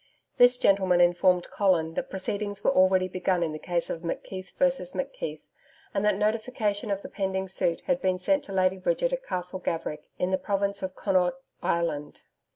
This gentleman informed Colin that proceedings were already begun in the case of McKeith versus McKeith, and that notification of the pending suit had been sent to Lady Bridget at Castle Gaverick, in the province of Connaught, Ireland.